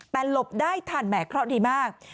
แต่หลบได้ทันแห่เคราะห์ดีมาก